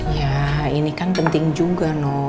ya ini kan penting juga no